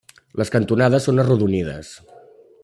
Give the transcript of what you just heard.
Les cantonades són arrodonides.